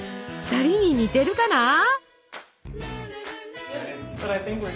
２人に似てるかな？